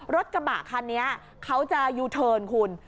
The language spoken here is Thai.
รถกระบะคันนี้เขาจะยูเทิร์นคุณ